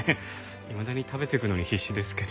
いまだに食べていくのに必死ですけど。